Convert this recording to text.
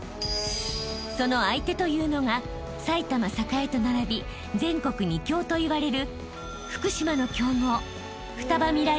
［その相手というのが埼玉栄と並び全国２強と言われる福島の強豪ふたば未来